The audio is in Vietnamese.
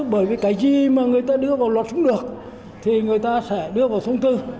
bởi vì cái gì mà người ta đưa vào luật súng được thì người ta sẽ đưa vào thông tư